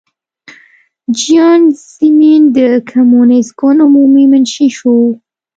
جیانګ زیمن د کمونېست ګوند عمومي منشي شو.